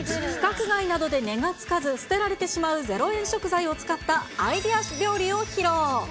規格外などで値がつかず捨てられてしまう０円食材を使ったアイデア料理を披露。